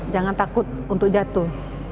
jangan takut untuk jatuh